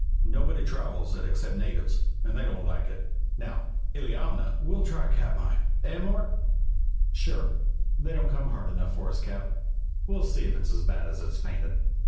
Nobody travels it except natives, and they don't like it. Now, Illiamna " "We'll try Katmai. Eh, Mort?" "Sure! They don't come hard enough for us, Cap. We'll see if it's as bad as it's painted."